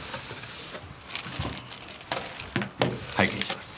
拝見します。